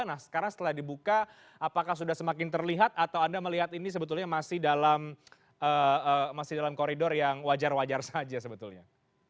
nah sekarang setelah dibuka apakah sudah semakin terlihat atau anda melihat ini sebetulnya masih dalam koridor yang wajar wajar saja sebetulnya